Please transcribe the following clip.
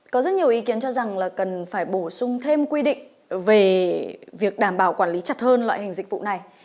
có rất nhiều ý kiến cho rằng là cần phải bổ sung thêm quy định về việc đảm bảo quản lý chặt hơn loại hình dịch vụ này